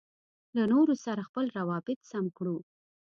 له نورو سره خپل روابط سم کړو.